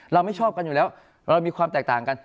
เราไม่ชอบกันอยู่แล้วเรามีความแตกต่างกัน